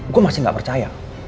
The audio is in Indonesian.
gue masih gak percaya